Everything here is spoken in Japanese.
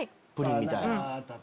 プリンみたいな。